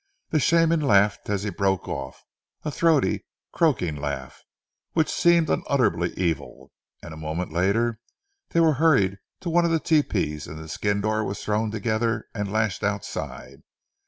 The Shaman laughed as he broke off, a throaty, croaking laugh, which seemed unutterably evil; and a moment later they were hurried to one of the tepees and the skin door was thrown together and lashed outside.